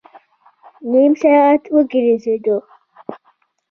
نیم ساعت وګرځېدو.